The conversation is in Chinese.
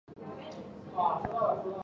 王顺友一角由邱林饰演。